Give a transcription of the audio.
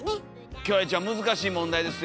キョエちゃん難しい問題ですよ。